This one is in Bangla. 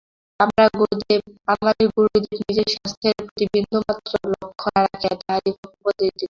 আমাদের গুরুদেব নিজের স্বাস্থ্যের প্রতি বিন্দুমাত্র লক্ষ্য না রাখিয়া তাহাদিগকে উপদেশ দিতে লাগিলেন।